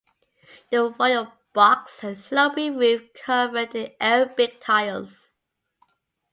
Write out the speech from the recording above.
The Royal Box has a sloping roof covered in Arabic tiles.